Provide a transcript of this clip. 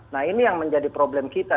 nah ini yang menjadi problem kita